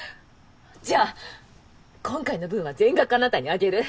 じゃあ今回の分は全額あなたにあげる！